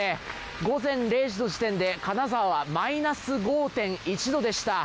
午前０時の時点で金沢はマイナス５．１度でした。